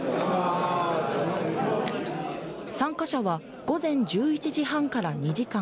参加者は午前１１時半から２時間